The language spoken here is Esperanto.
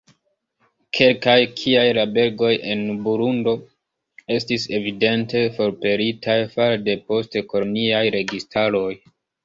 Kelkaj, kiaj la belgoj en Burundo, estis evidente forpelitaj fare de post-koloniaj registaroj.